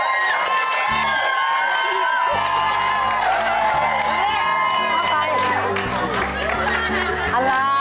อันนี้เข้าไปอย่างไรอ่ะไม่ได้ออก